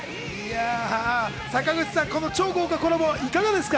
坂口さん、この超豪華コラボいかがですか？